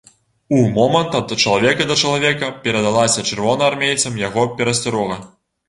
Умомант ад чалавека да чалавека перадалася чырвонаармейцам яго перасцярога.